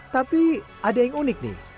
tapi ada yang unik nih